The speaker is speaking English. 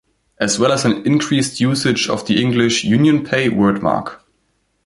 As well as an increased usage of the English UnionPay wordmark.